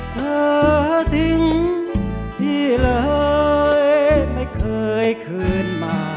เธอทิ้งที่เลยไม่เคยคืนมา